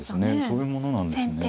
そういうものなんですね。